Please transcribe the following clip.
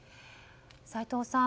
斎藤さん